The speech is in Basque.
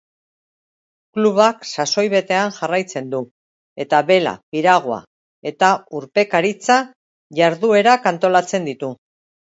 Klubak sasoi betean jarraitzen du, eta bela, piragua eta urpekaritza jarduerak antolatzen ditu.